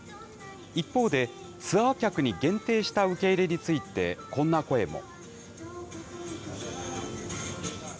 一方でツアー客に限定した受け入れについて、こんな声も。